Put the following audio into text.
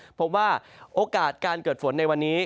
เพราะว่าโอกาสการเกิดฝนในวันนี้